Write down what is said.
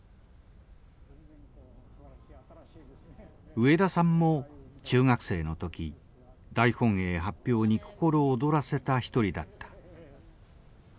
植田さんも中学生の時大本営発表に心躍らせた一人だった。